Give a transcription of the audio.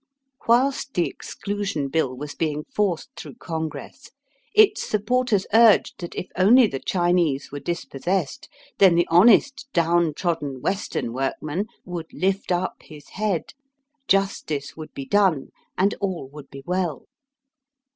Whilst the Exclusion Bill was being forced through Congress its supporters urged that if Digitized by VjOOQIC THE LABOXJB QUESTION. 139 only the Chinese were dispossessed, then the honest down trodden Western workman would lift up his head, justice would be done, and all would be well.